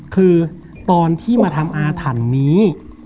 คือตอนที่มาทำอาถรรพ์นี้